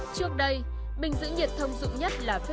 trước đây bình giữ nhiệt thông dụng nhất là